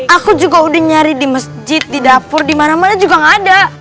aku juga udah nyari di masjid di dapur di mana mana juga gak ada